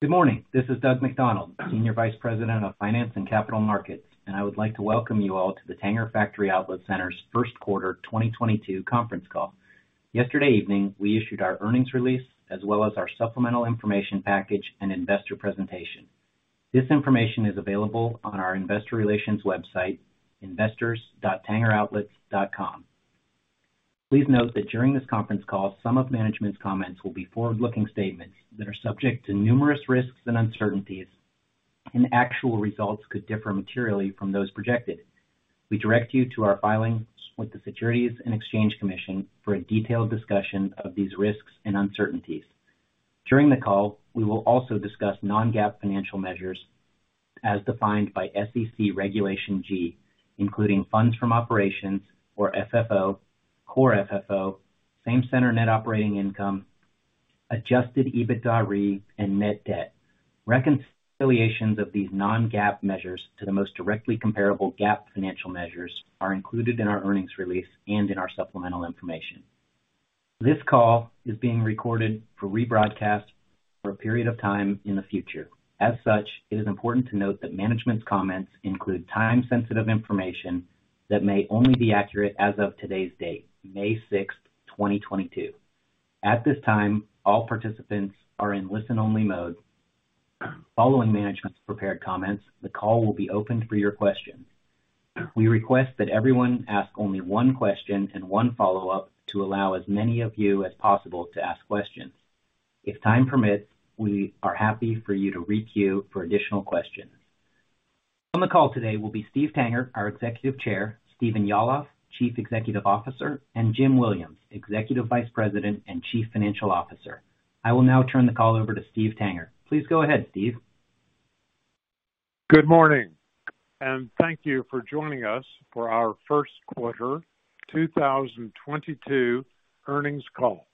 Good morning. This is Doug McDonald, Senior Vice President of Finance and Capital Markets, and I would like to welcome you all to the Tanger Factory Outlet Centers' first quarter 2022 conference call. Yesterday evening, we issued our earnings release as well as our supplemental information package and investor presentation. This information is available on our investor relations website, investors.tangeroutlets.com. Please note that during this conference call, some of management's comments will be forward-looking statements that are subject to numerous risks and uncertainties, and actual results could differ materially from those projected. We direct you to our filings with the Securities and Exchange Commission for a detailed discussion of these risks and uncertainties. During the call, we will also discuss non-GAAP financial measures as defined by SEC Regulation G, including funds from operations or FFO, core FFO, same center net operating income, Adjusted EBITDAre and net debt. Reconciliations of these non-GAAP measures to the most directly comparable GAAP financial measures are included in our earnings release and in our supplemental information. This call is being recorded for rebroadcast for a period of time in the future. As such, it is important to note that management's comments include time-sensitive information that may only be accurate as of today's date, May 6, 2022. At this time, all participants are in listen-only mode. Following management's prepared comments, the call will be opened for your questions. We request that everyone ask only one question and one follow-up to allow as many of you as possible to ask questions. If time permits, we are happy for you to re-queue for additional questions. On the call today will be Steven B. Tanger, our Executive Chair, Stephen Yalof, Chief Executive Officer, and Jim Williams, Executive Vice President and Chief Financial Officer. I will now turn the call over to Steve Tanger. Please go ahead, Steve. Good morning, and thank you for joining us for our first quarter 2022 earnings call.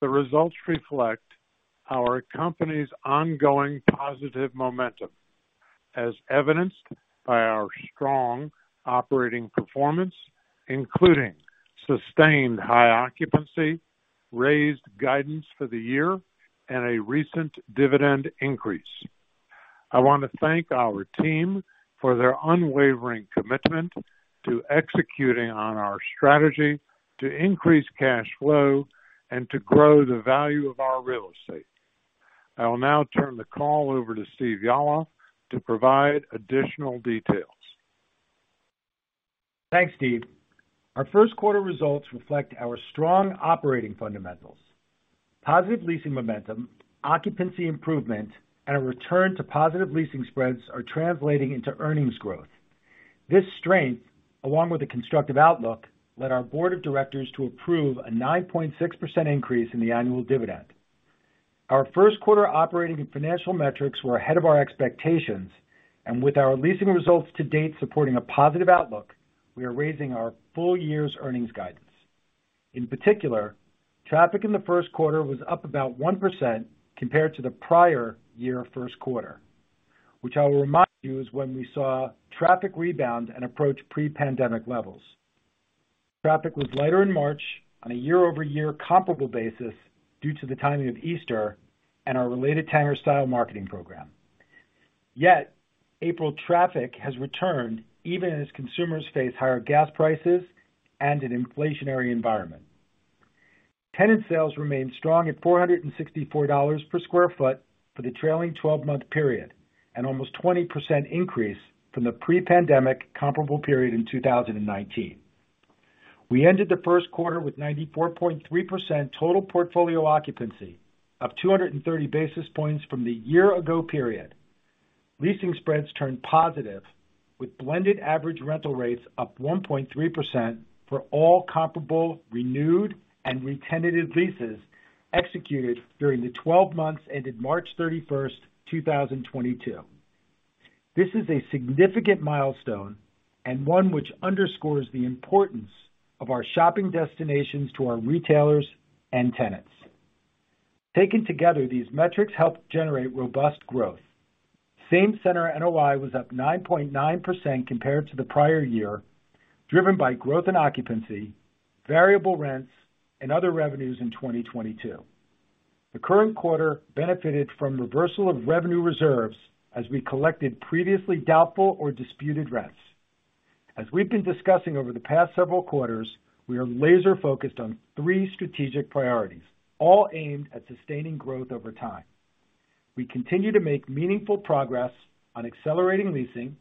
The results reflect our company's ongoing positive momentum, as evidenced by our strong operating performance, including sustained high occupancy, raised guidance for the year, and a recent dividend increase. I want to thank our team for their unwavering commitment to executing on our strategy to increase cash flow and to grow the value of our real estate. I will now turn the call over to Stephen Yalof to provide additional details. Thanks, Steve. Our first quarter results reflect our strong operating fundamentals. Positive leasing momentum, occupancy improvement, and a return to positive leasing spreads are translating into earnings growth. This strength, along with a constructive outlook, led our board of directors to approve a 9.6% increase in the annual dividend. Our first quarter operating and financial metrics were ahead of our expectations, and with our leasing results to date supporting a positive outlook, we are raising our full year's earnings guidance. In particular, traffic in the first quarter was up about 1% compared to the prior year first quarter, which I will remind you, is when we saw traffic rebound and approach pre-pandemic levels. Traffic was lighter in March on a year-over-year comparable basis due to the timing of Easter and our related TangerStyle marketing program. Yet, April traffic has returned even as consumers face higher gas prices and an inflationary environment. Tenant sales remained strong at $464 per sq ft for the trailing twelve-month period, an almost 20% increase from the pre-pandemic comparable period in 2019. We ended the first quarter with 94.3% total portfolio occupancy, up 230 basis points from the year-ago period. Leasing spreads turned positive, with blended average rental rates up 1.3% for all comparable, renewed, and retenanted leases executed during the twelve months ended March 31, 2022. This is a significant milestone and one which underscores the importance of our shopping destinations to our retailers and tenants. Taken together, these metrics help generate robust growth. Same Center NOI was up 9.9% compared to the prior year, driven by growth in occupancy, variable rents, and other revenues in 2022. The current quarter benefited from reversal of revenue reserves as we collected previously doubtful or disputed rents. As we've been discussing over the past several quarters, we are laser-focused on three strategic priorities, all aimed at sustaining growth over time. We continue to make meaningful progress on accelerating leasing,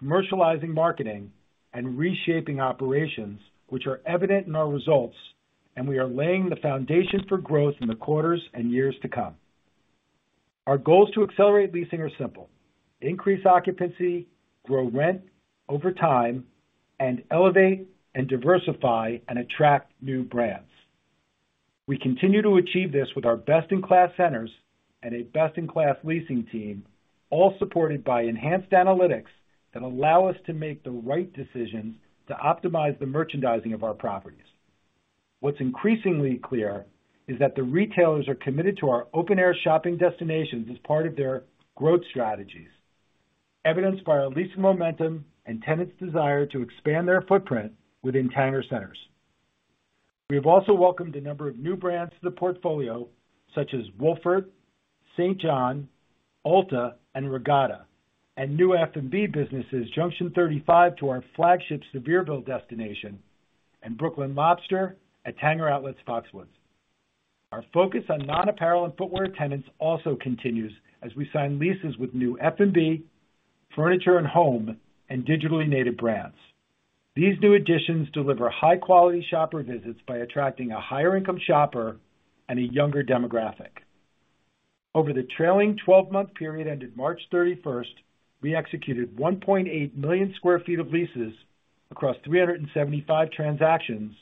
commercializing marketing, and reshaping operations which are evident in our results, and we are laying the foundation for growth in the quarters and years to come. Our goals to accelerate leasing are simple. Increase occupancy, grow rent over time, and elevate and diversify and attract new brands. We continue to achieve this with our best-in-class centers and a best-in-class leasing team, all supported by enhanced analytics that allow us to make the right decisions to optimize the merchandising of our properties. What's increasingly clear is that the retailers are committed to our open-air shopping destinations as part of their growth strategies, evidenced by our leasing momentum and tenants' desire to expand their footprint within Tanger centers. We have also welcomed a number of new brands to the portfolio, such as Wolford, St. John, Ulta, and Regatta, and new F&B businesses, Junction 35 to our flagship Sevierville destination, and BK Lobster at Tanger Outlets Foxwoods. Our focus on non-apparel and footwear tenants also continues as we sign leases with new F&B, furniture and home, and digitally native brands. These new additions deliver high-quality shopper visits by attracting a higher income shopper and a younger demographic. Over the trailing twelve-month period ended March 31, we executed 1.8 million sq ft of leases across 375 transactions,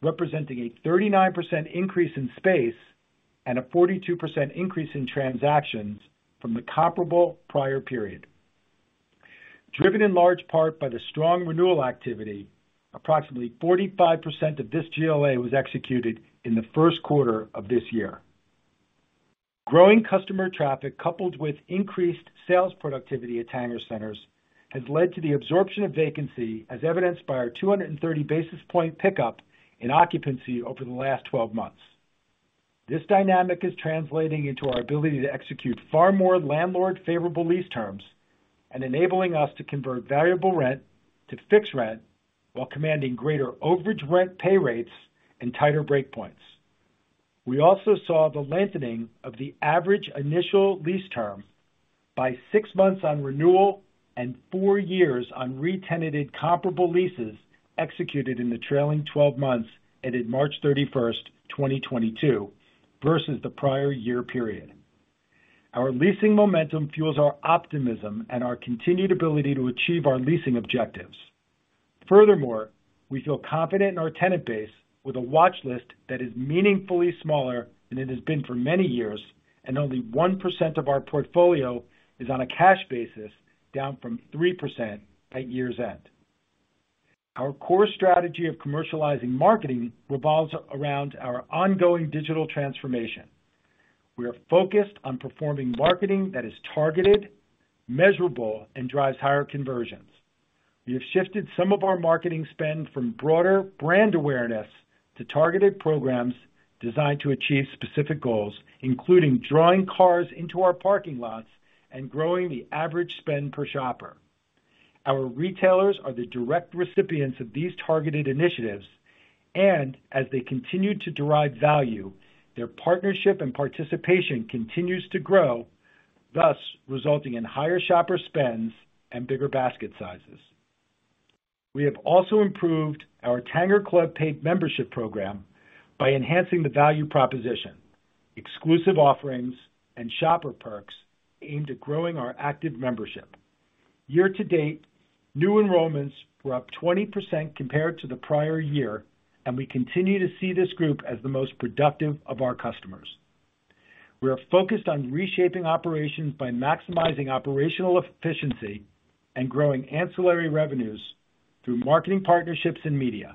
representing a 39% increase in space and a 42% increase in transactions from the comparable prior period. Driven in large part by the strong renewal activity, approximately 45% of this GLA was executed in the first quarter of this year. Growing customer traffic, coupled with increased sales productivity at Tanger centers, has led to the absorption of vacancy, as evidenced by our 230 basis points pickup in occupancy over the last twelve months. This dynamic is translating into our ability to execute far more landlord favorable lease terms and enabling us to convert variable rent to fixed rent while commanding greater overage rent pay rates and tighter break points. We also saw the lengthening of the average initial lease term by six months on renewal and four years on re-tenanted comparable leases executed in the trailing 12 months ended March 31, 2022, versus the prior year period. Our leasing momentum fuels our optimism and our continued ability to achieve our leasing objectives. Furthermore, we feel confident in our tenant base with a watch list that is meaningfully smaller than it has been for many years, and only 1% of our portfolio is on a cash basis, down from 3% at year's end. Our core strategy of commercializing marketing revolves around our ongoing digital transformation. We are focused on performing marketing that is targeted, measurable, and drives higher conversions. We have shifted some of our marketing spend from broader brand awareness to targeted programs designed to achieve specific goals, including drawing cars into our parking lots and growing the average spend per shopper. Our retailers are the direct recipients of these targeted initiatives, and as they continue to derive value, their partnership and participation continues to grow, thus resulting in higher shopper spends and bigger basket sizes. We have also improved our Tanger Club paid membership program by enhancing the value proposition, exclusive offerings, and shopper perks aimed at growing our active membership. Year-to-date, new enrollments were up 20% compared to the prior year, and we continue to see this group as the most productive of our customers. We are focused on reshaping operations by maximizing operational efficiency and growing ancillary revenues through marketing partnerships and media.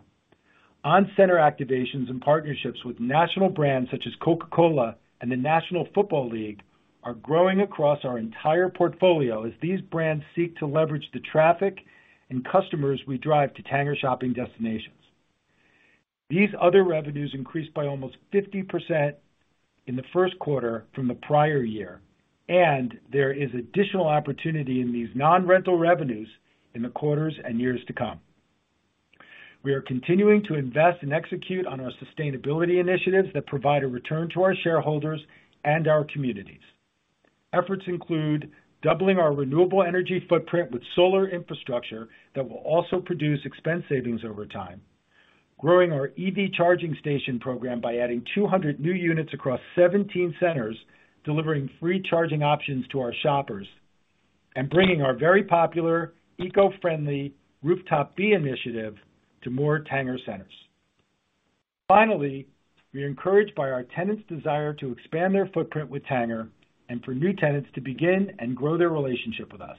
On-center activations and partnerships with national brands such as Coca-Cola and the National Football League are growing across our entire portfolio as these brands seek to leverage the traffic and customers we drive to Tanger shopping destinations. These other revenues increased by almost 50% in the first quarter from the prior year, and there is additional opportunity in these non-rental revenues in the quarters and years to come. We are continuing to invest and execute on our sustainability initiatives that provide a return to our shareholders and our communities. Efforts include doubling our renewable energy footprint with solar infrastructure that will also produce expense savings over time, growing our EV charging station program by adding 200 new units across 17 centers, delivering free charging options to our shoppers, and bringing our very popular eco-friendly rooftop bee initiative to more Tanger centers. Finally, we are encouraged by our tenants' desire to expand their footprint with Tanger and for new tenants to begin and grow their relationship with us.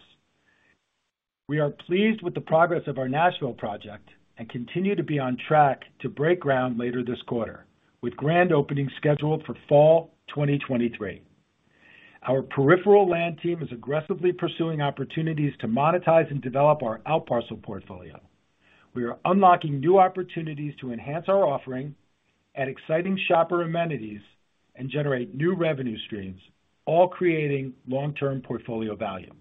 We are pleased with the progress of our Nashville project and continue to be on track to break ground later this quarter, with grand opening scheduled for fall 2023. Our peripheral land team is aggressively pursuing opportunities to monetize and develop our outparcel portfolio. We are unlocking new opportunities to enhance our offering, add exciting shopper amenities, and generate new revenue streams, all creating long-term portfolio value.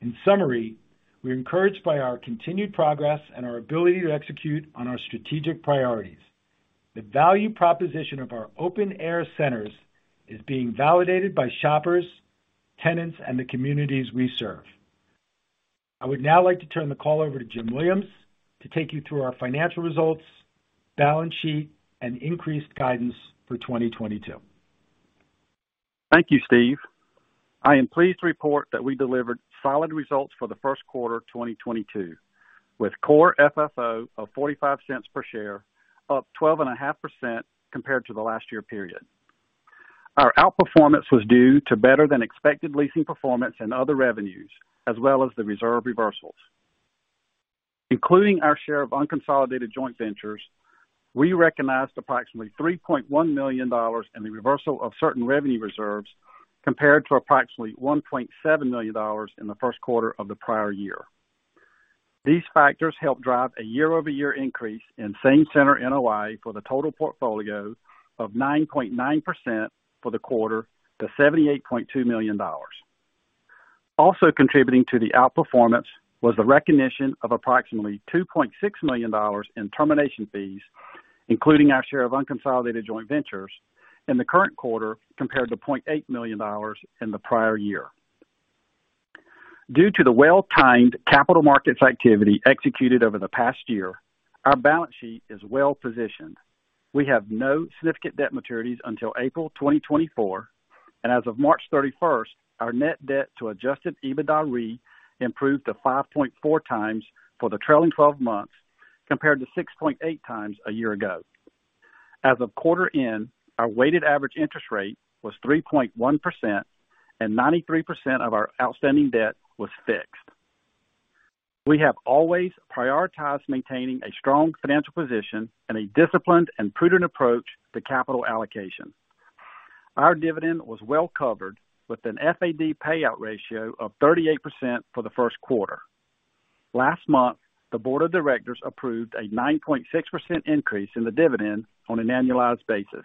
In summary, we're encouraged by our continued progress and our ability to execute on our strategic priorities. The value proposition of our open-air centers is being validated by shoppers, tenants, and the communities we serve. I would now like to turn the call over to Jim Williams to take you through our financial results, balance sheet, and increased guidance for 2022. Thank you, Stephen. I am pleased to report that we delivered solid results for the first quarter of 2022, with Core FFO of $0.45 per share, up 12.5% compared to the last year period. Our outperformance was due to better than expected leasing performance and other revenues, as well as the reserve reversals. Including our share of unconsolidated joint ventures, we recognized approximately $3.1 million in the reversal of certain revenue reserves compared to approximately $1.7 million in the first quarter of the prior year. These factors help drive a year-over-year increase in Same Center NOI for the total portfolio of 9.9% for the quarter to $78.2 million. Also contributing to the outperformance was the recognition of approximately $2.6 million in termination fees, including our share of unconsolidated joint ventures in the current quarter compared to $0.8 million in the prior year. Due to the well-timed capital markets activity executed over the past year, our balance sheet is well positioned. We have no significant debt maturities until April 2024, and as of March 31st, our net debt to Adjusted EBITDAre improved to 5.4x for the trailing twelve months, compared to 6.8x a year ago. As of quarter end, our weighted average interest rate was 3.1% and 93% of our outstanding debt was fixed. We have always prioritized maintaining a strong financial position and a disciplined and prudent approach to capital allocation. Our dividend was well covered with an FAD payout ratio of 38% for the first quarter. Last month, the board of directors approved a 9.6% increase in the dividend on an annualized basis.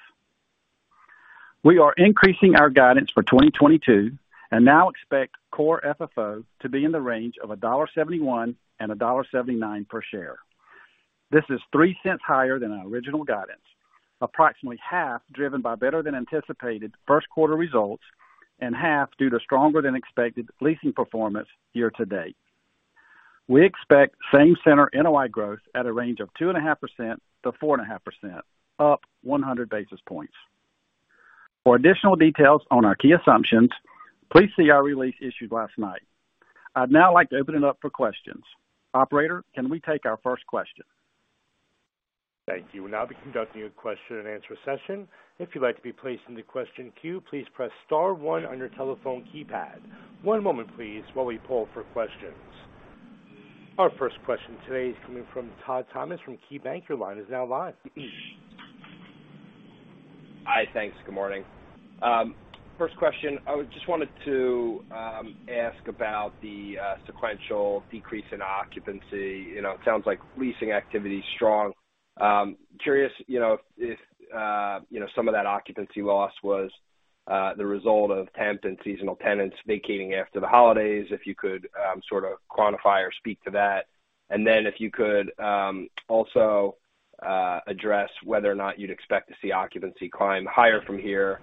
We are increasing our guidance for 2022 and now expect core FFO to be in the range of $1.71-$1.79 per share. This is $0.03 higher than our original guidance, approximately half driven by better than anticipated first quarter results and half due to stronger than expected leasing performance year to date. We expect same center NOI growth at a range of 2.5%-4.5%, up 100 basis points. For additional details on our key assumptions, please see our release issued last night. I'd now like to open it up for questions. Operator, can we take our first question? Thank you. We'll now be conducting a question-and-answer session. If you'd like to be placed in the question queue, please press star one on your telephone keypad. One moment please while we poll for questions. Our first question today is coming from Todd Thomas from KeyBanc. Your line is now live. Hi. Thanks. Good morning. First question, I just wanted to ask about the sequential decrease in occupancy. You know, it sounds like leasing activity is strong. Curious, you know, if some of that occupancy loss was the result of temp and seasonal tenants vacating after the holidays, if you could sort of quantify or speak to that. Then if you could also address whether or not you'd expect to see occupancy climb higher from here,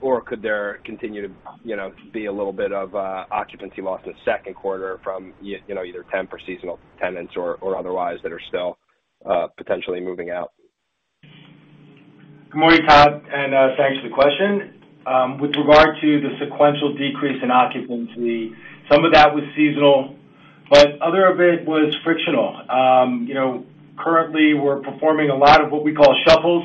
or could there continue to, you know, be a little bit of occupancy loss in the second quarter from you know either temp or seasonal tenants or otherwise that are still potentially moving out? Good morning, Todd, and thanks for the question. With regard to the sequential decrease in occupancy, some of that was seasonal, but other of it was frictional. You know, currently we're performing a lot of what we call shuffles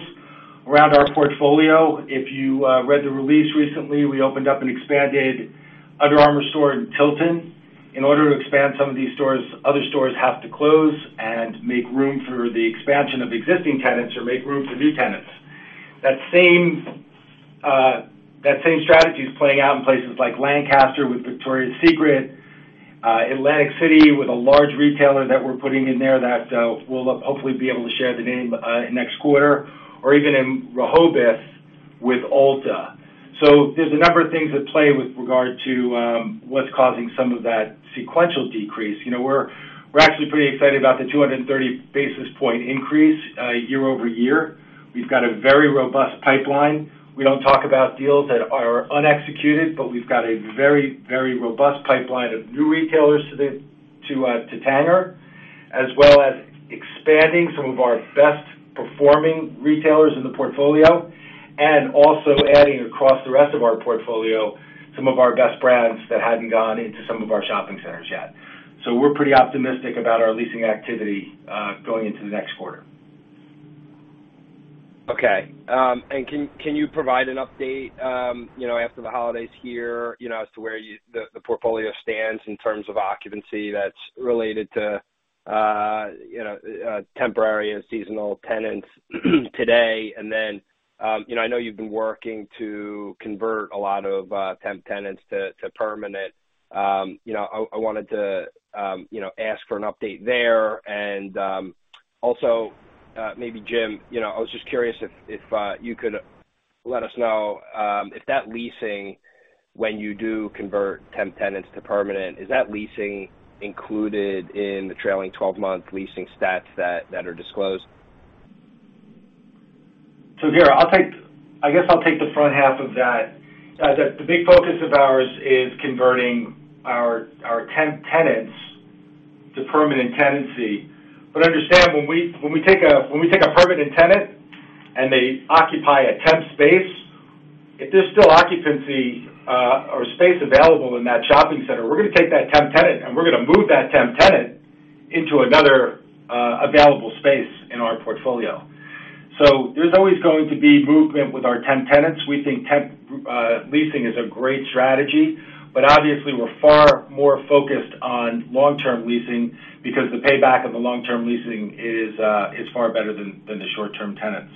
around our portfolio. If you read the release recently, we opened up an expanded Under Armour store in Tilton. In order to expand some of these stores, other stores have to close and make room for the expansion of existing tenants or make room for new tenants. That same strategy is playing out in places like Lancaster with Victoria's Secret, Atlantic City with a large retailer that we're putting in there that we'll hopefully be able to share the name next quarter, or even in Rehoboth with Ulta. There's a number of things at play with regard to what's causing some of that sequential decrease. You know, we're actually pretty excited about the 230 basis point increase year-over-year. We've got a very robust pipeline. We don't talk about deals that are unexecuted, but we've got a very robust pipeline of new retailers to Tanger, as well as expanding some of our best performing retailers in the portfolio, and also adding across the rest of our portfolio some of our best brands that hadn't gone into some of our shopping centers yet. We're pretty optimistic about our leasing activity going into the next quarter. Okay. Can you provide an update, you know, after the holidays here, you know, as to where the portfolio stands in terms of occupancy that's related to, you know, temporary and seasonal tenants today? Then, you know, I know you've been working to convert a lot of temp tenants to permanent. You know, I wanted to, you know, ask for an update there. Also, maybe Jim, you know, I was just curious if you could let us know if that leasing, when you do convert temp tenants to permanent, is that leasing included in the trailing twelve-month leasing stats that are disclosed? Here, I guess I'll take the front half of that. The big focus of ours is converting our temp tenants to permanent tenancy. Understand when we take a permanent tenant and they occupy a temp space, if there's still occupancy or space available in that shopping center, we're gonna take that temp tenant, and we're gonna move that temp tenant into another available space in our portfolio. There's always going to be movement with our temp tenants. We think temp leasing is a great strategy, but obviously we're far more focused on long-term leasing because the payback of the long-term leasing is far better than the short-term tenants.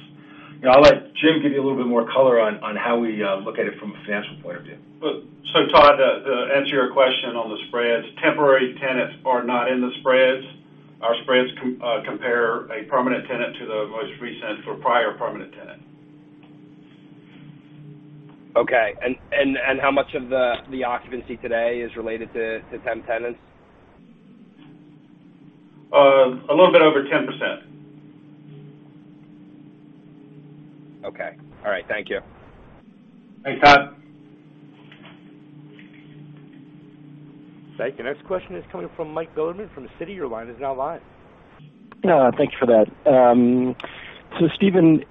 I'll let Jim give you a little bit more color on how we look at it from a financial point of view. Todd, to answer your question on the spreads, temporary tenants are not in the spreads. Our spreads compare a permanent tenant to the most recent or prior permanent tenant. Okay. How much of the occupancy today is related to temp tenants? A little bit over 10%. Okay. All right. Thank you. Thanks, Todd. Thank you. Next question is coming from Michael Bilerman from Citi. Your line is now live. Thank you for that. Steven,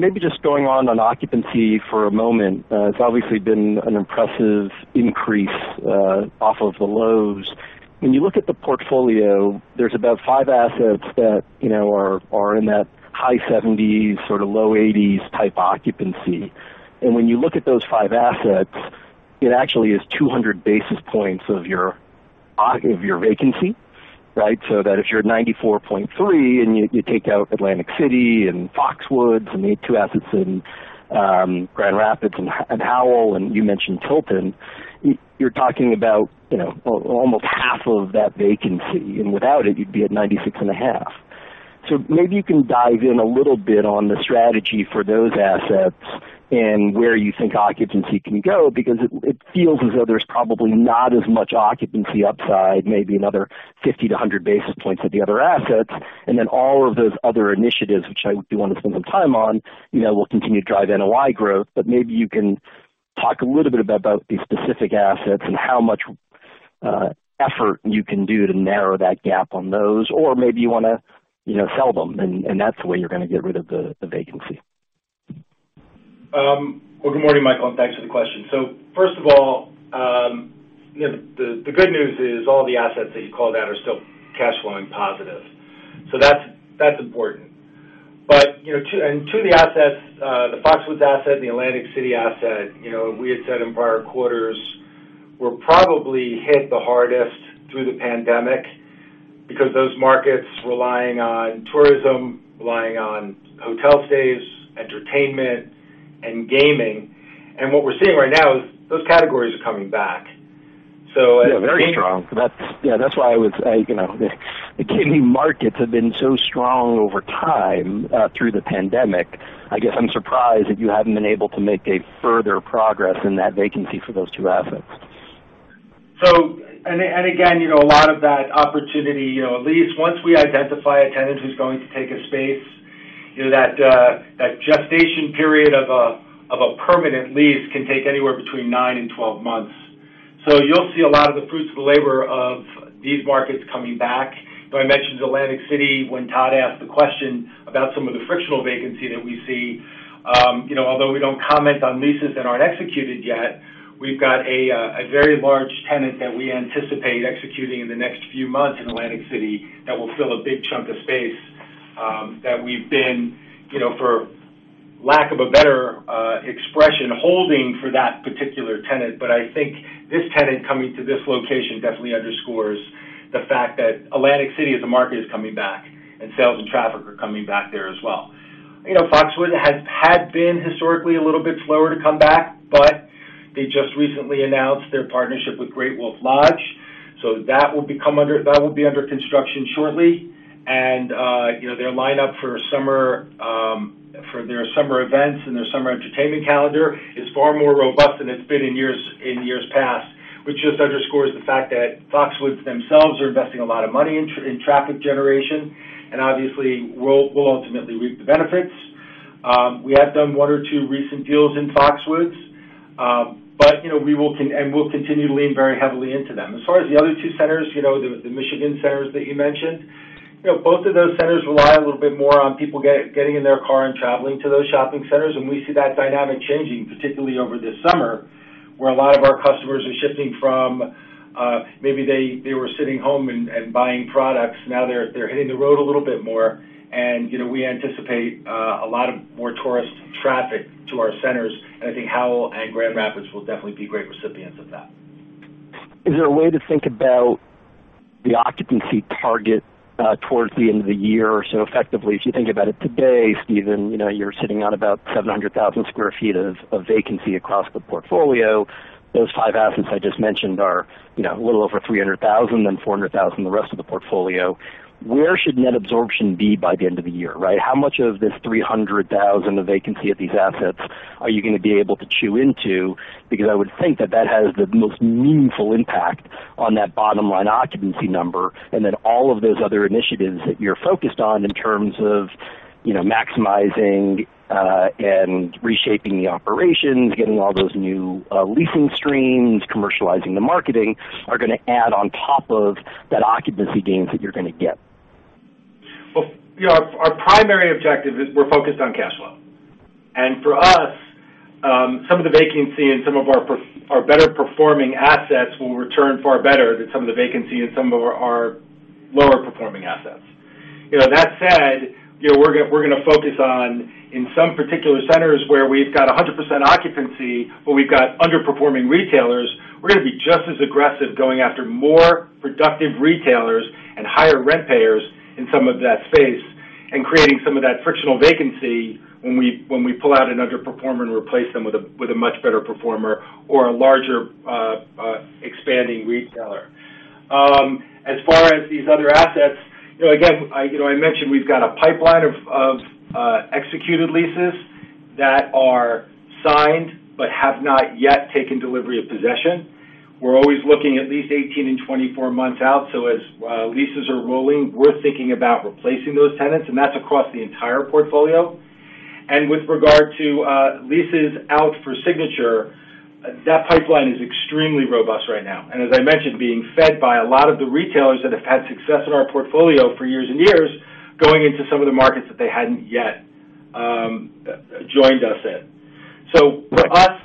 maybe just going on occupancy for a moment. It's obviously been an impressive increase off of the lows. When you look at the portfolio, there's about five assets that, you know, are in that high 70s, sort of low 80s type occupancy. When you look at those five assets, it actually is 200 basis points of your vacancy, right? That if you're at 94.3% and you take out Atlantic City and Foxwoods and the two assets in Grand Rapids and Howell, and you mentioned Tilton, you're talking about, you know, almost half of that vacancy, and without it, you'd be at 96.5%. Maybe you can dive in a little bit on the strategy for those assets and where you think occupancy can go because it feels as though there's probably not as much occupancy upside, maybe another 50-100 basis points at the other assets. All of those other initiatives, which I do wanna spend some time on, you know, will continue to drive NOI growth. Maybe you can talk a little bit about these specific assets and how much effort you can do to narrow that gap on those. Maybe you wanna, you know, sell them, and that's the way you're gonna get rid of the vacancy. Good morning, Michael, and thanks for the question. First of all, you know, the good news is all the assets that you called out are still cash flowing positive. That's important. You know, two of the assets, the Foxwoods asset and the Atlantic City asset, you know, we had said in prior quarters were probably hit the hardest through the pandemic because those markets relying on tourism, relying on hotel stays, entertainment, and gaming. What we're seeing right now is those categories are coming back. Yeah, very strong. That's why I was, you know, the key markets have been so strong over time through the pandemic. I guess I'm surprised that you haven't been able to make a further progress in that vacancy for those two assets. Again, you know, a lot of that opportunity, you know, a lease, once we identify a tenant who's going to take a space, you know, that that gestation period of a permanent lease can take anywhere between 9-12 months. You'll see a lot of the fruits of the labor of these markets coming back. You know, I mentioned Atlantic City when Todd asked the question about some of the frictional vacancy that we see. You know, although we don't comment on leases that aren't executed yet, we've got a very large tenant that we anticipate executing in the next few months in Atlantic City that will fill a big chunk of space, that we've been, you know, for lack of a better expression, holding for that particular tenant. I think this tenant coming to this location definitely underscores the fact that Atlantic City as a market is coming back, and sales and traffic are coming back there as well. You know, Foxwoods had been historically a little bit slower to come back, but they just recently announced their partnership with Great Wolf Lodge, so that will be under construction shortly. You know, their lineup for summer for their summer events and their summer entertainment calendar is far more robust than it's been in years past, which just underscores the fact that Foxwoods themselves are investing a lot of money in traffic generation, and obviously, we'll ultimately reap the benefits. We have done one or two recent deals in Foxwoods, but you know, we'll continue to lean very heavily into them. As far as the other two centers, you know, the Michigan centers that you mentioned, you know, both of those centers rely a little bit more on people getting in their car and traveling to those shopping centers, and we see that dynamic changing, particularly over this summer, where a lot of our customers are shifting from maybe they were sitting home and buying products. Now they're hitting the road a little bit more, and you know, we anticipate a lot more tourist traffic to our centers. I think Howell and Grand Rapids will definitely be great recipients of that. Is there a way to think about the occupancy target towards the end of the year or so effectively, if you think about it today, Stephen, you know, you're sitting on about 700,000 sq ft of vacancy across the portfolio. Those five assets I just mentioned are, you know, a little over 300,000, then 400,000, the rest of the portfolio. Where should net absorption be by the end of the year, right? How much of this 300,000 of vacancy at these assets are you gonna be able to chew into? Because I would think that that has the most meaningful impact on that bottom line occupancy number, and then all of those other initiatives that you're focused on in terms of, you know, maximizing, and reshaping the operations, getting all those new, leasing streams, commercializing the marketing, are gonna add on top of that occupancy gains that you're gonna get. Well, you know, our primary objective is we're focused on cash flow. For us, some of the vacancy and some of our better performing assets will return far better than some of the vacancy in some of our lower performing assets. You know, that said, you know, we're gonna focus on in some particular centers where we've got 100% occupancy, but we've got underperforming retailers, we're gonna be just as aggressive going after more productive retailers and higher rent payers in some of that space. Creating some of that frictional vacancy when we pull out an underperformer and replace them with a much better performer or a larger expanding retailer. As far as these other assets, you know, again, I mentioned we've got a pipeline of executed leases that are signed but have not yet taken delivery of possession. We're always looking at least 18 and 24 months out, so as leases are rolling, we're thinking about replacing those tenants, and that's across the entire portfolio. With regard to leases out for signature, that pipeline is extremely robust right now, and as I mentioned, being fed by a lot of the retailers that have had success in our portfolio for years and years going into some of the markets that they hadn't yet joined us in. For us,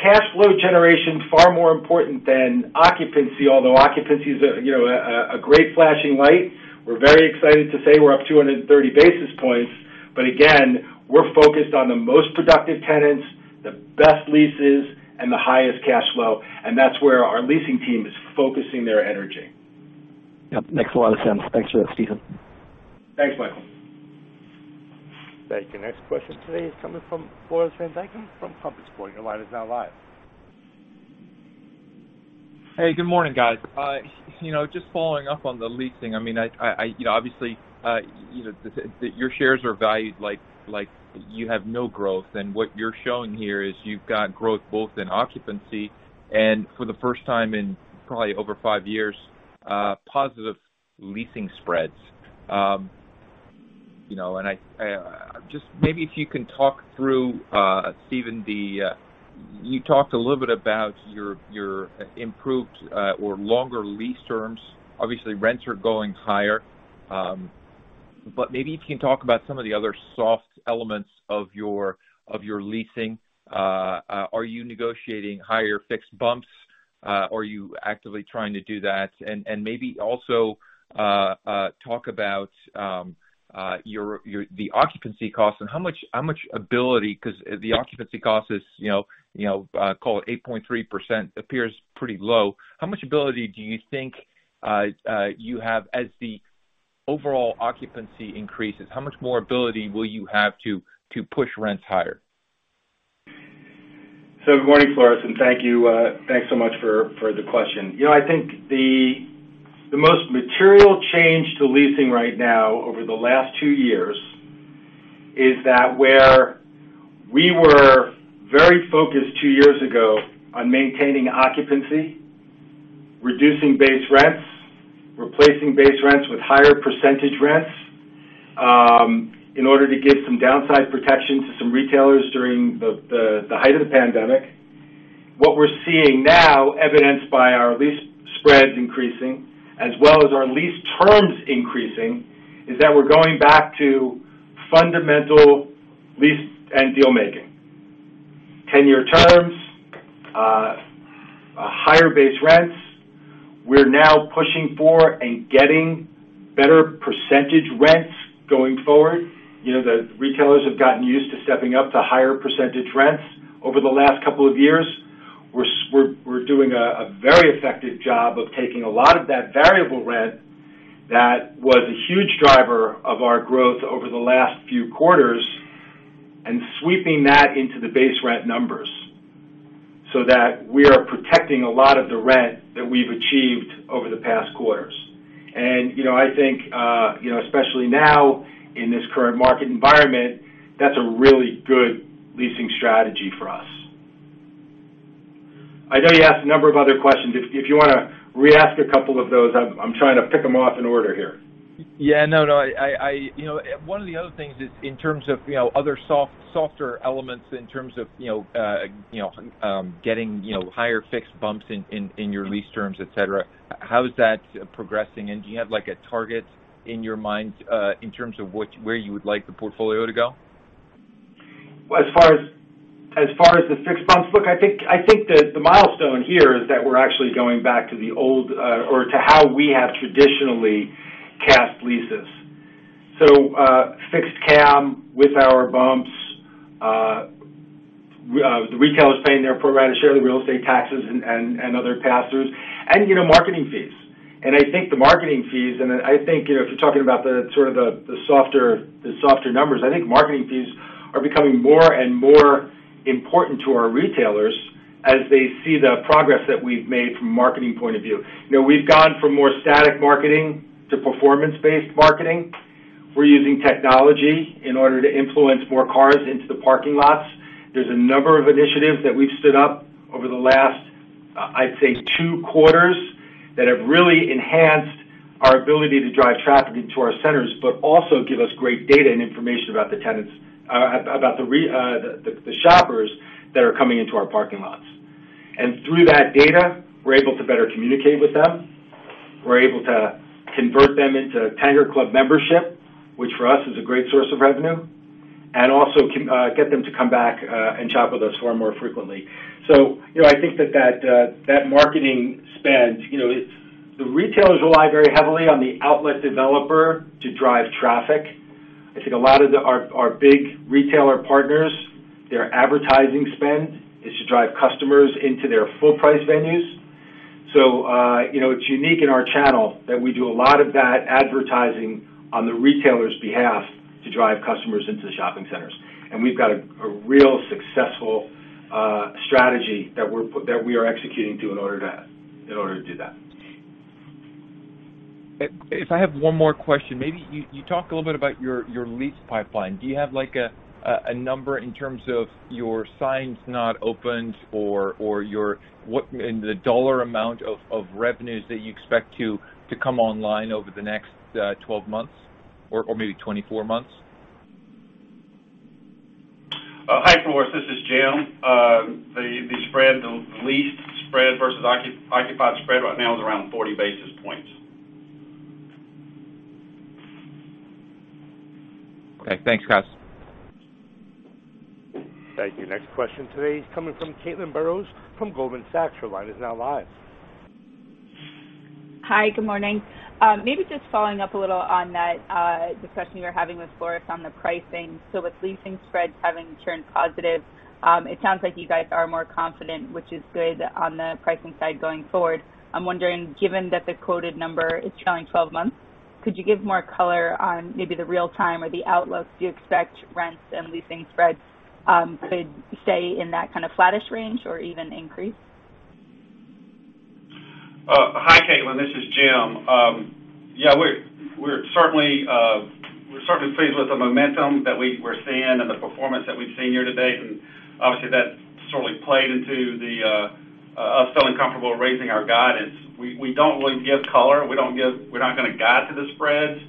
cash flow generation is far more important than occupancy, although occupancy is a you know a great flashing light. We're very excited to say we're up 230 basis points, but again, we're focused on the most productive tenants, the best leases, and the highest cash flow, and that's where our leasing team is focusing their energy. Yep. Makes a lot of sense. Thanks for that, Steven. Thanks, Michael. Thank you. Next question today is coming from Floris van Dijkum from Compass Point. Your line is now live. Hey, good morning, guys. You know, just following up on the leasing, I mean, you know, obviously, your shares are valued like you have no growth, and what you're showing here is you've got growth both in occupancy and for the first time in probably over five years, positive leasing spreads. Just maybe if you can talk through, Steven. You talked a little bit about your improved or longer lease terms. Obviously, rents are going higher, but maybe if you can talk about some of the other soft elements of your leasing. Are you negotiating higher fixed bumps? Are you actively trying to do that? Maybe also talk about the occupancy costs and how much ability, 'cause the occupancy cost is, you know, call it 8.3% appears pretty low. How much ability do you think you have as the overall occupancy increases? How much more ability will you have to push rents higher? Good morning, Floris, and thank you. Thanks so much for the question. You know, I think the most material change to leasing right now over the last two years is that where we were very focused two years ago on maintaining occupancy, reducing base rents, replacing base rents with higher percentage rents, in order to give some downside protection to some retailers during the height of the pandemic. What we're seeing now, evidenced by our lease spreads increasing as well as our lease terms increasing, is that we're going back to fundamental lease and deal making. Ten-year terms, higher base rents. We're now pushing for and getting better percentage rents going forward. You know, the retailers have gotten used to stepping up to higher percentage rents over the last couple of years. We're doing a very effective job of taking a lot of that variable rent that was a huge driver of our growth over the last few quarters and sweeping that into the base rent numbers so that we are protecting a lot of the rent that we've achieved over the past quarters. You know, I think, you know, especially now in this current market environment, that's a really good leasing strategy for us. I know you asked a number of other questions. If you wanna re-ask a couple of those, I'm trying to pick them off in order here. You know, one of the other things is in terms of, you know, other softer elements in terms of, you know, getting, you know, higher fixed bumps in your lease terms, et cetera, how is that progressing? Do you have like a target in your mind in terms of where you would like the portfolio to go? As far as the fixed bumps, I think the milestone here is that we're actually going back to the old or to how we have traditionally done leases. Fixed CAM with our bumps, the retailers paying their pro rata share of the real estate taxes and other pass-throughs, and, you know, marketing fees. I think the marketing fees, you know, if you're talking about the sort of the softer numbers, I think marketing fees are becoming more and more important to our retailers as they see the progress that we've made from a marketing point of view. You know, we've gone from more static marketing to performance-based marketing. We're using technology in order to influence more cars into the parking lots. There's a number of initiatives that we've stood up over the last, I'd say two quarters that have really enhanced our ability to drive traffic into our centers, but also give us great data and information about the tenants, about the shoppers that are coming into our parking lots. Through that data, we're able to better communicate with them. We're able to convert them into Tanger Club membership, which for us is a great source of revenue, and also get them to come back, and shop with us far more frequently. You know, I think that marketing spend, you know, it's the retailers rely very heavily on the outlet developer to drive traffic. I think a lot of our big retailer partners' advertising spend is to drive customers into their full price venues. It's unique in our channel that we do a lot of that advertising on the retailer's behalf to drive customers into the shopping centers. We've got a real successful strategy that we are executing to in order to do that. If I have one more question, maybe you talked a little bit about your lease pipeline. Do you have like a number in terms of your signed not opened or in the dollar amount of revenues that you expect to come online over the next 12 months or maybe 24 months? Hi, Floris, this is Jim. The spread, the leased spread versus occupied spread right now is around 40 basis points. Okay. Thanks, guys. Thank you. Next question today is coming from Caitlin Burrows from Goldman Sachs. Your line is now live. Hi, good morning. Maybe just following up a little on that discussion you were having with Floris on the pricing. With leasing spreads having turned positive, it sounds like you guys are more confident, which is good on the pricing side going forward. I'm wondering, given that the quoted number is trailing twelve months, could you give more color on maybe the real-time or the outlook? Do you expect rents and leasing spreads to stay in that kind of flattish range or even increase? Hi, Caitlin, this is Jim. We're certainly pleased with the momentum that we're seeing and the performance that we've seen year to date. Obviously that certainly played into us feeling comfortable raising our guidance. We don't really give color. We're not gonna guide to the spreads,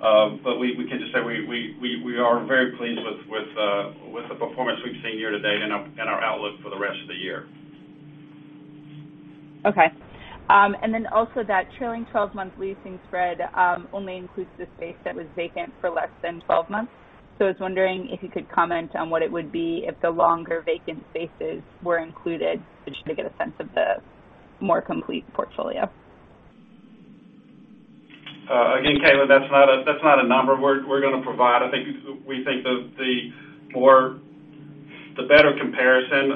but we are very pleased with the performance we've seen year to date and our outlook for the rest of the year. That trailing 12 months leasing spread only includes the space that was vacant for less than 12 months. I was wondering if you could comment on what it would be if the longer vacant spaces were included, just to get a sense of the more complete portfolio. Again, Caitlin, that's not a number we're gonna provide. We think the better comparison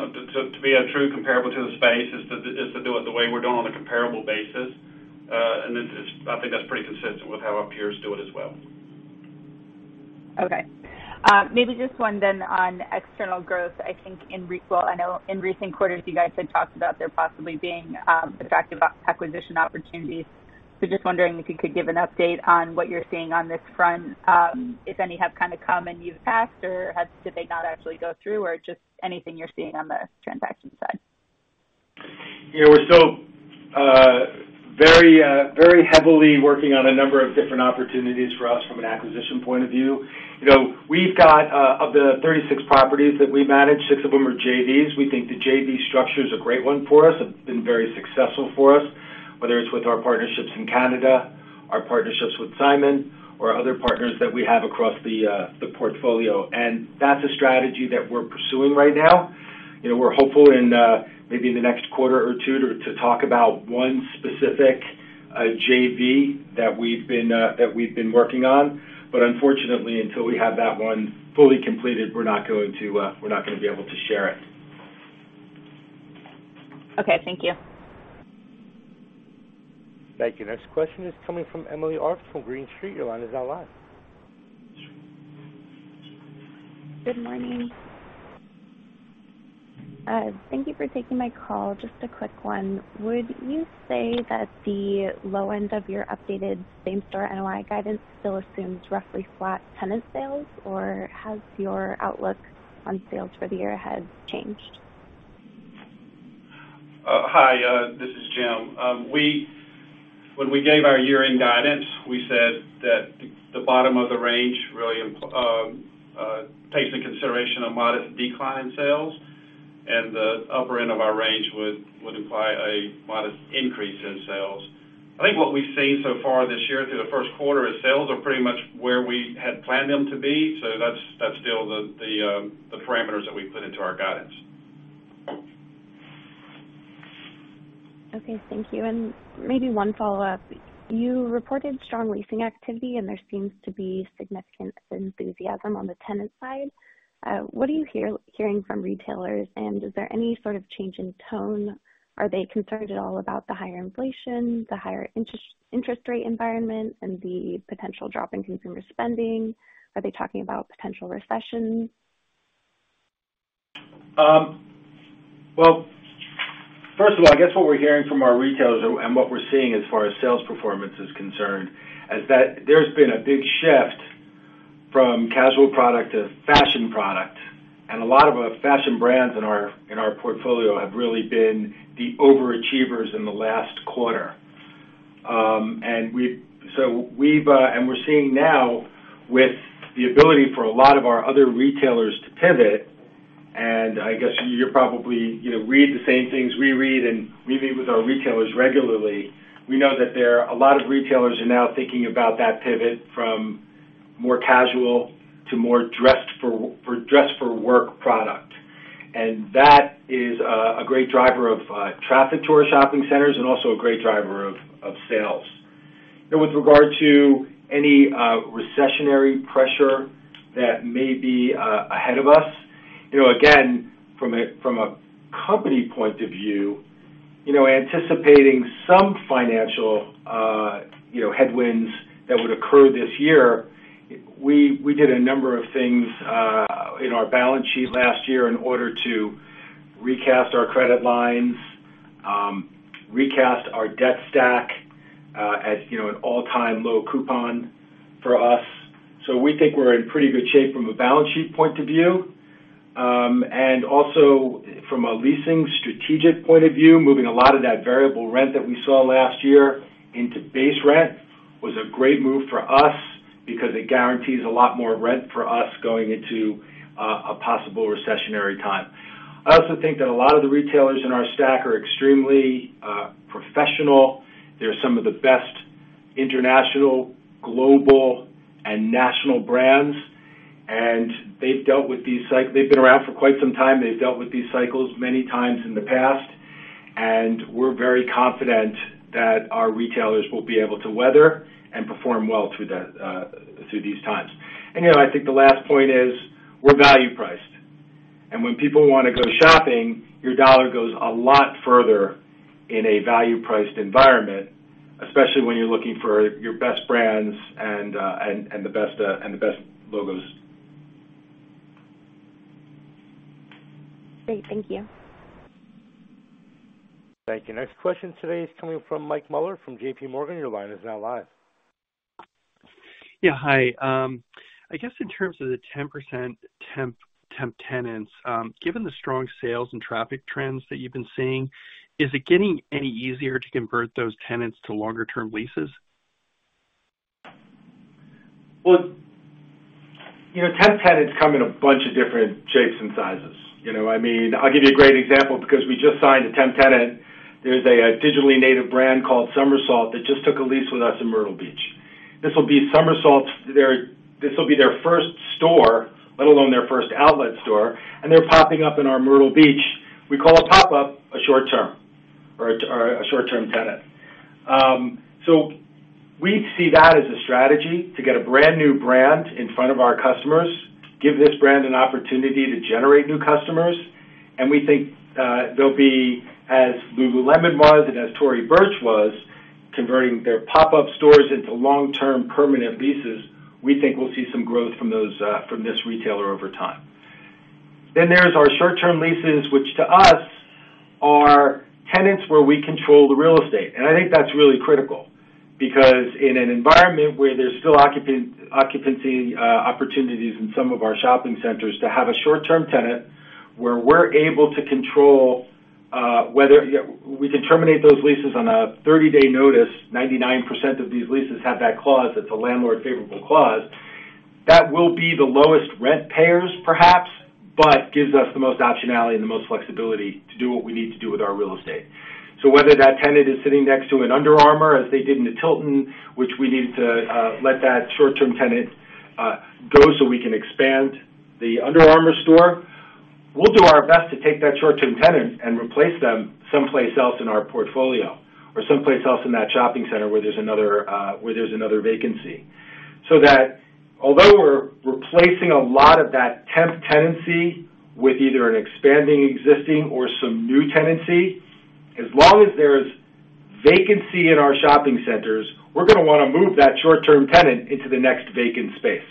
to be a true comparable to the space is to do it the way we're doing on a comparable basis. It's pretty consistent with how our peers do it as well. Okay. Maybe just one then on external growth. I think well, I know in recent quarters you guys had talked about there possibly being attractive acquisition opportunities. Just wondering if you could give an update on what you're seeing on this front, if any have kinda come and you've passed, or did they not actually go through? Or just anything you're seeing on the transaction side. Yeah, we're still very heavily working on a number of different opportunities for us from an acquisition point of view. You know, we've got, of the 36 properties that we manage, six of them are JVs. We think the JV structure is a great one for us. It's been very successful for us, whether it's with our partnerships in Canada, our partnerships with Simon or other partners that we have across the portfolio, and that's a strategy that we're pursuing right now. You know, we're hopeful in maybe in the next quarter or two to talk about one specific JV that we've been working on, but unfortunately, until we have that one fully completed, we're not gonna be able to share it. Okay, thank you. Thank you. Next question is coming from Emily Arft from Green Street. Your line is now live. Good morning. Thank you for taking my call. Just a quick one. Would you say that the low end of your updated same-center NOI guidance still assumes roughly flat tenant sales, or has your outlook on sales for the year ahead changed? Hi, this is Jim. When we gave our year-end guidance, we said that the bottom of the range really takes into consideration a modest decline in sales, and the upper end of our range would imply a modest increase in sales. I think what we've seen so far this year through the first quarter is sales are pretty much where we had planned them to be, so that's still the parameters that we put into our guidance. Okay, thank you. Maybe one follow-up. You reported strong leasing activity, and there seems to be significant enthusiasm on the tenant side. What are you hearing from retailers, and is there any sort of change in tone? Are they concerned at all about the higher inflation, the higher interest rate environment, and the potential drop in consumer spending? Are they talking about potential recession? Well, first of all, I guess what we're hearing from our retailers and what we're seeing as far as sales performance is concerned is that there's been a big shift from casual product to fashion product. A lot of our fashion brands in our portfolio have really been the overachievers in the last quarter. We're seeing now with the ability for a lot of our other retailers to pivot, and I guess you're probably, you know, read the same things we read, and we meet with our retailers regularly. We know that there are a lot of retailers now thinking about that pivot from more casual to more dressed for work product. That is a great driver of traffic to our shopping centers and also a great driver of sales. With regard to any recessionary pressure that may be ahead of us, you know, again, from a company point of view, you know, anticipating some financial headwinds that would occur this year, we did a number of things in our balance sheet last year in order to recast our credit lines, recast our debt stack at, you know, an all-time low coupon for us. We think we're in pretty good shape from a balance sheet point of view. From a leasing strategic point of view, moving a lot of that variable rent that we saw last year into base rent was a great move for us because it guarantees a lot more rent for us going into a possible recessionary time. I also think that a lot of the retailers in our stack are extremely professional. They're some of the best international, global, and national brands, and they've dealt with these. They've been around for quite some time. They've dealt with these cycles many times in the past, and we're very confident that our retailers will be able to weather and perform well through that, through these times. You know, I think the last point is we're value-priced. When people wanna go shopping, your dollar goes a lot further in a value-priced environment, especially when you're looking for your best brands and the best logos. Great. Thank you. Thank you. Next question today is coming from Michael Mueller from JPMorgan. Your line is now live. Yeah. Hi. I guess in terms of the 10% temp tenants, given the strong sales and traffic trends that you've been seeing, is it getting any easier to convert those tenants to longer term leases? Well, you know, temp tenants come in a bunch of different shapes and sizes, you know. I mean, I'll give you a great example because we just signed a temp tenant who's a digitally native brand called Summersalt that just took a lease with us in Myrtle Beach. This will be Summersalt, their first store, let alone their first outlet store, and they're popping up in our Myrtle Beach. We call a pop-up a short-term tenant. We see that as a strategy to get a brand-new brand in front of our customers, give this brand an opportunity to generate new customers. We think they'll be as lululemon was and as Tory Burch was converting their pop-up stores into long-term permanent leases. We think we'll see some growth from those, from this retailer over time. There's our short-term leases, which to us are tenants where we control the real estate. I think that's really critical because in an environment where there's still occupancy opportunities in some of our shopping centers to have a short-term tenant, where we're able to control whether, you know, we can terminate those leases on a 30-day notice. 99% of these leases have that clause. It's a landlord favorable clause. That will be the lowest rent payers perhaps, but gives us the most optionality and the most flexibility to do what we need to do with our real estate. Whether that tenant is sitting next to an Under Armour, as they did in the Tilton, which we needed to let that short-term tenant go so we can expand the Under Armour store. We'll do our best to take that short-term tenant and replace them someplace else in our portfolio or someplace else in that shopping center where there's another vacancy. That although we're replacing a lot of that temp tenancy with either an expanding, existing or some new tenancy, as long as there's vacancy in our shopping centers, we're gonna wanna move that short-term tenant into the next vacant space.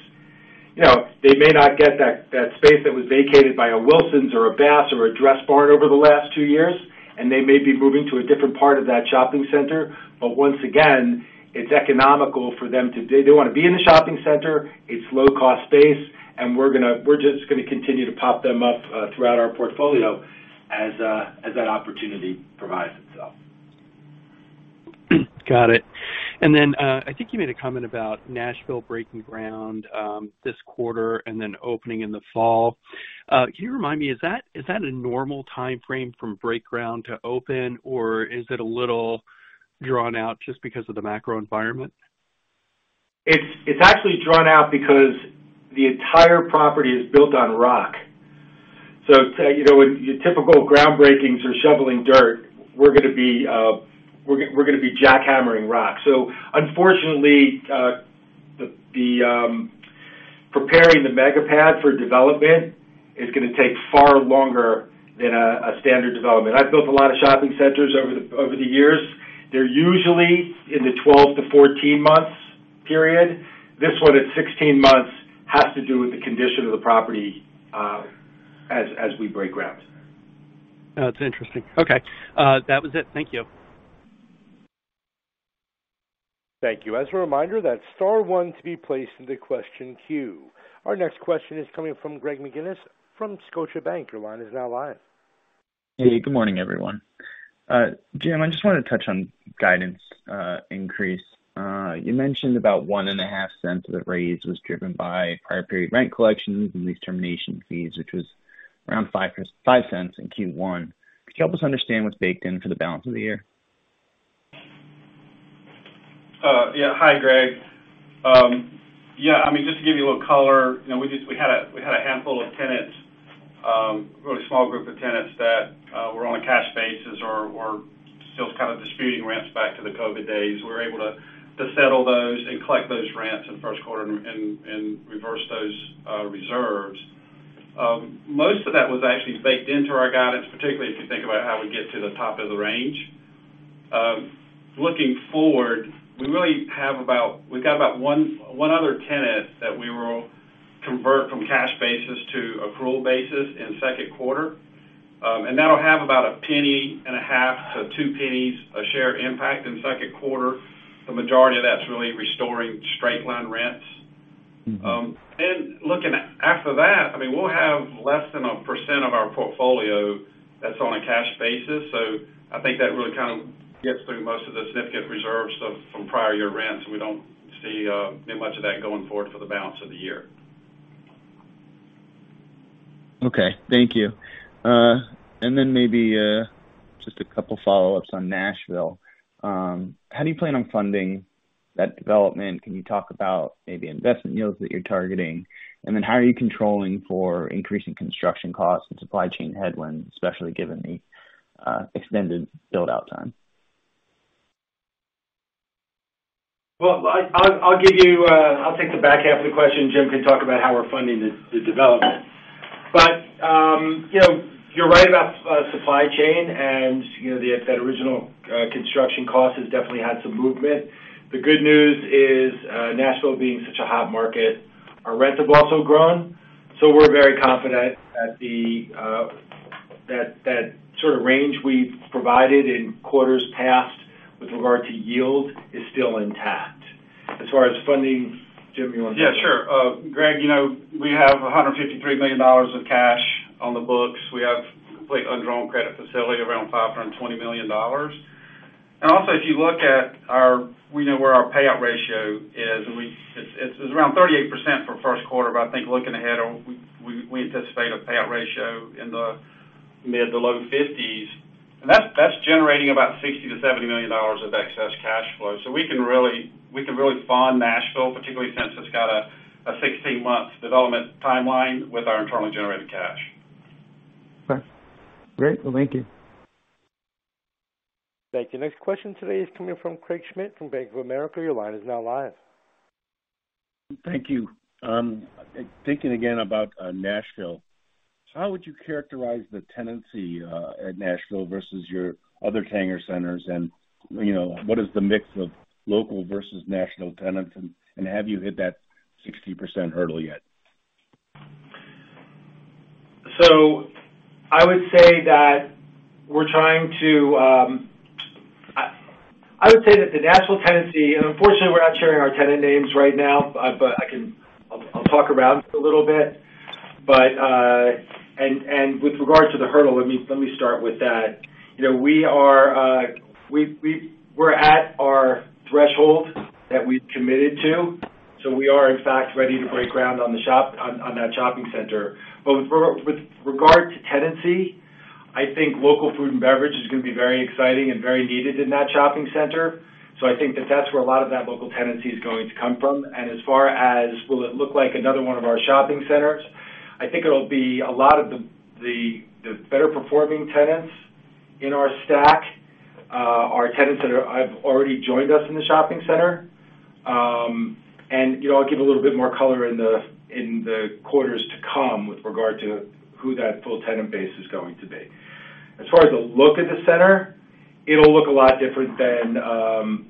You know, they may not get that space that was vacated by a Wilsons or a Bass or a Dressbarn over the last two years, and they may be moving to a different part of that shopping center. Once again, it's economical for them. They wanna be in the shopping center. It's low cost space, and we're just gonna continue to pop them up throughout our portfolio as that opportunity provides itself. Got it. I think you made a comment about Nashville breaking ground this quarter and then opening in the fall. Can you remind me, is that a normal timeframe from break ground to open, or is it a little drawn out just because of the macro environment? It's actually drawn out because the entire property is built on rock. You know, when your typical groundbreakings are shoveling dirt, we're gonna be jackhammering rock. Unfortunately, the preparing the mega pad for development is gonna take far longer than a standard development. I've built a lot of shopping centers over the years. They're usually in the 12-14 months period. This one at 16 months has to do with the condition of the property, as we break ground. That's interesting. Okay. That was it. Thank you. Thank you. As a reminder, that's star one to be placed in the question queue. Our next question is coming from Greg McGinniss from Scotiabank. Your line is now live. Hey, good morning, everyone. Jim, I just wanted to touch on guidance increase. You mentioned about $0.015 of the raise was driven by prior period rent collections and lease termination fees, which was around $0.05 in Q1. Could you help us understand what's baked in for the balance of the year? Yeah. Hi, Greg. Yeah. I mean, just to give you a little color, you know, we had a handful of tenants. A small group of tenants that were on a cash basis or still kind of disputing rents back to the COVID days. We were able to settle those and collect those rents in the first quarter and reverse those reserves. Most of that was actually baked into our guidance, particularly if you think about how we get to the top of the range. Looking forward, we really have about we've got about one other tenant that we will convert from cash basis to accrual basis in second quarter. That'll have about a penny and a half to two pennies a share impact in second quarter. The majority of that's really restoring straight-line rents. Mm-hmm. After that, I mean, we'll have less than 1% of our portfolio that's on a cash basis. I think that really kind of gets through most of the significant reserves of, from prior year rents, and we don't see much of that going forward for the balance of the year. Okay. Thank you. Maybe, just a couple follow-ups on Nashville. How do you plan on funding that development? Can you talk about maybe investment yields that you're targeting? How are you controlling for increasing construction costs and supply chain headwinds, especially given the, extended build-out time? Well, I'll take the back half of the question. Jim can talk about how we're funding the development. You know, you're right about supply chain and you know, that original construction cost has definitely had some movement. The good news is, Nashville being such a hot market, our rents have also grown. We're very confident that that sort of range we've provided in quarters past with regard to yield is still intact. As far as funding, Jim, you wanna talk about that? Yeah, sure. Greg, you know, we have $153 million of cash on the books. We have a completely undrawn credit facility around $520 million. Also, we know where our payout ratio is, and it's around 38% for first quarter, but I think looking ahead, we anticipate a payout ratio in the mid- to low 50s%. That's generating about $60 million-$70 million of excess cash flow. We can really fund Nashville, particularly since it's got a 16-month development timeline with our internally generated cash. Okay. Great. Well, thank you. Thank you. Next question today is coming from Craig Schmidt from Bank of America. Your line is now live. Thank you. Thinking again about Nashville, how would you characterize the tenancy at Nashville versus your other Tanger centers? You know, what is the mix of local versus national tenants, and have you hit that 60% hurdle yet? I would say that the Nashville tenancy, and unfortunately we're not sharing our tenant names right now, but I'll talk around it a little bit. With regard to the hurdle, let me start with that. We're at our threshold that we've committed to, so we are in fact ready to break ground on that shopping center. With regard to tenancy, I think local food and beverage is gonna be very exciting and very needed in that shopping center. I think that that's where a lot of that local tenancy is going to come from. As far as will it look like another one of our shopping centers, I think it'll be a lot of the better performing tenants in our stack are tenants that have already joined us in the shopping center. You know, I'll give a little bit more color in the quarters to come with regard to who that full tenant base is going to be. As far as the look of the center, it'll look a lot different than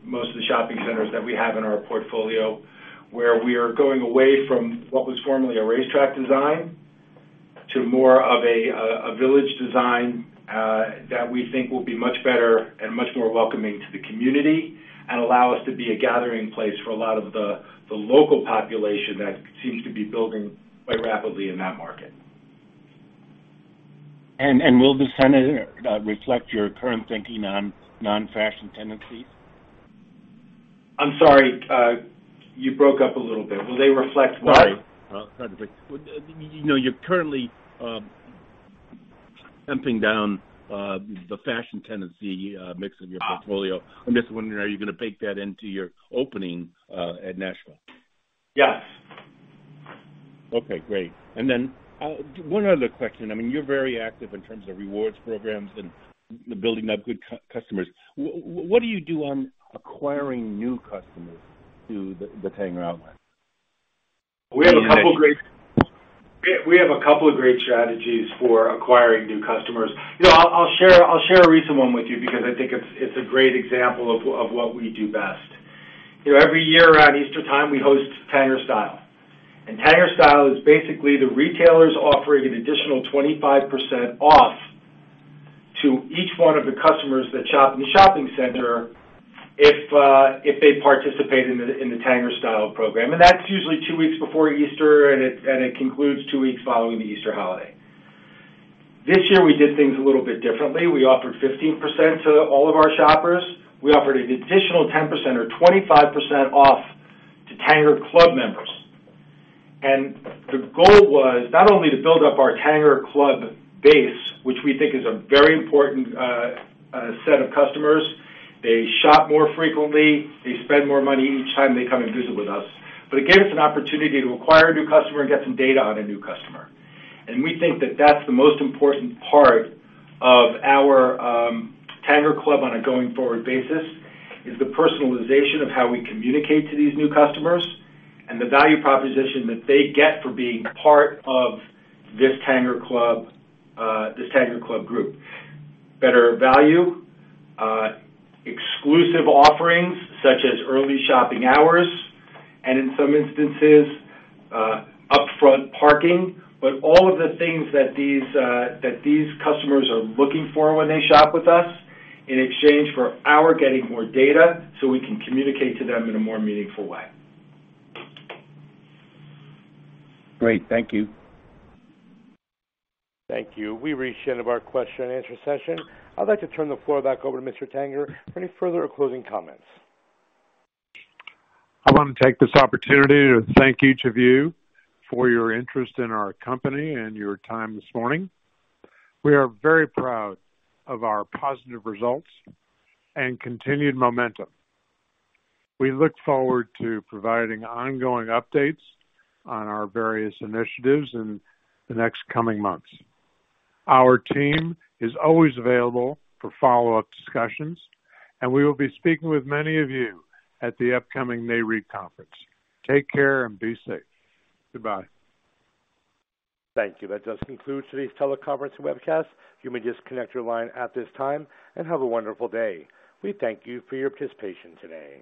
most of the shopping centers that we have in our portfolio, where we are going away from what was formerly a racetrack design to more of a village design that we think will be much better and much more welcoming to the community and allow us to be a gathering place for a lot of the local population that seems to be building quite rapidly in that market. Will the center reflect your current thinking on non-fashion tenancy? I'm sorry, you broke up a little bit. Will they reflect what? Sorry to break. You know, you're currently tamping down the fashion tenant mix of your portfolio. Ah. I'm just wondering, are you gonna bake that into your opening at Nashville? Yes. Okay, great. One other question. I mean, you're very active in terms of rewards programs and building up good customers. What do you do on acquiring new customers to the Tanger Outlet? We have a couple of great strategies for acquiring new customers. You know, I'll share a recent one with you because I think it's a great example of what we do best. You know, every year around Easter time, we host TangerStyle. TangerStyle is basically the retailers offering an additional 25% off to each one of the customers that shop in the shopping center if they participate in the TangerStyle program. That's usually two weeks before Easter, and it concludes two weeks following the Easter holiday. This year, we did things a little bit differently. We offered 15% to all of our shoppers. We offered an additional 10% or 25% off to Tanger Club members. The goal was not only to build up our Tanger Club base, which we think is a very important set of customers. They shop more frequently, they spend more money each time they come and visit with us. It gave us an opportunity to acquire a new customer and get some data on a new customer. We think that that's the most important part of our Tanger Club on a going forward basis, is the personalization of how we communicate to these new customers and the value proposition that they get for being part of this Tanger Club this Tanger Club group. Better value, exclusive offerings such as early shopping hours, and in some instances, upfront parking. All of the things that these customers are looking for when they shop with us in exchange for our getting more data so we can communicate to them in a more meaningful way. Great. Thank you. Thank you. We've reached the end of our question and answer session. I'd like to turn the floor back over to Mr. Tanger for any further or closing comments. I wanna take this opportunity to thank each of you for your interest in our company and your time this morning. We are very proud of our positive results and continued momentum. We look forward to providing ongoing updates on our various initiatives in the next coming months. Our team is always available for follow-up discussions, and we will be speaking with many of you at the upcoming Nareit REIT conference. Take care and be safe. Goodbye. Thank you. That does conclude today's teleconference webcast. You may disconnect your line at this time, and have a wonderful day. We thank you for your participation today.